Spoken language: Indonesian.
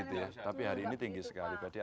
tapi hari ini tinggi sekali